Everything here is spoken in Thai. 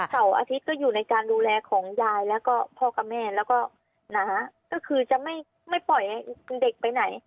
เสาร์อาทิตย์ก็อยู่ในการดูแลของยายแล้วก็พ่อกับแม่แล้วก็หนาก็คือจะไม่ปล่อยให้เด็กไปไหน